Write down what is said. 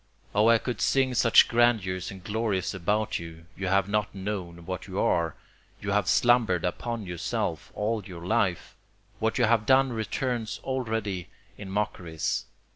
O I could sing such grandeurs and glories about you! You have not known what you are you have slumber'd upon yourself all your life; What you have done returns already in mockeries.